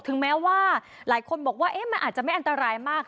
แม้ว่าหลายคนบอกว่ามันอาจจะไม่อันตรายมาก